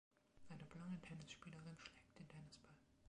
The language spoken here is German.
Eine blonde Tennisspielerin schlägt den Tennisball.